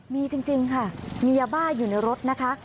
มีจริงค่ะมียาบ้าอยู่ในรถนะคะ